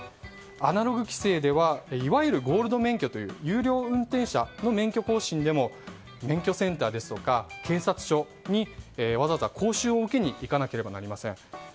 アナログ規制ではいわゆるゴールド免許という優良運転者の免許更新でも免許センターですとか警察署にわざわざ講習を受けに行かなければなりません。